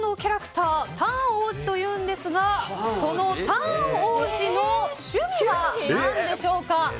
ターン王子というんですがそのターン王子の趣味は何でしょうか？